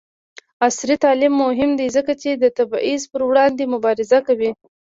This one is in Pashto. عصري تعلیم مهم دی ځکه چې د تبعیض پر وړاندې مبارزه کوي.